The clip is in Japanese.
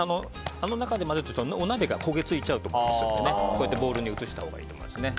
あの中で混ぜるとお鍋が焦げ付いちゃうのでボウルに移したほうがいいと思います。